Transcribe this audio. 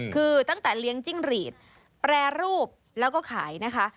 คือตั้งแต่เลี้ยงจิ้งหรีดแปรรูปแล้วก็ขายนะคะ